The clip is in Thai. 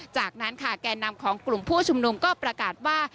จากนั้นค่ะแก่นำของกลุ่มผู้ชุมนุมก็ประกาศว่า